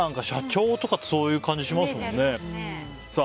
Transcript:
社長とかってそういう感じしますもんね。